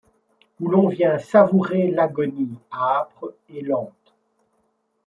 Où l’on vient savourer l’agonie âpre et lente